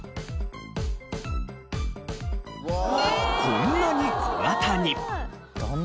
こんなに小型に！